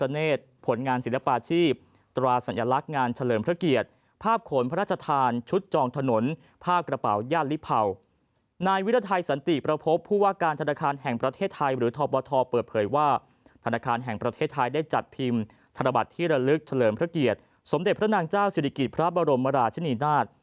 นายวิรัยสันติประพบผู้ว่าการธนาคารแห่งประเทศไทยหรือทบทเปิดเผยว่าธนาคารแห่งประเทศไทยได้จัดพิมพ์ธนบัตรที่ระลึกเฉลิมพระเกียรติสมเด็จพระนางเจ้าศิริกิจพระบรมราชนีนาฏ